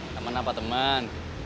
temen apa temen